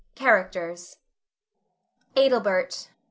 CHARACTERS. Adelbert